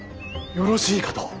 よろしいかと。